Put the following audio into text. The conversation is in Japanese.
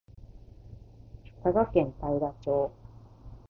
佐賀県太良町